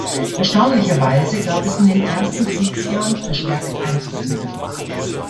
Erstaunlicherweise gab es in den ersten Kriegsjahren verstärkt Eintritte.